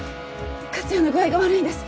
克哉の具合が悪いんです